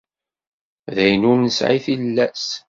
D ayen ur nesɛi tilas.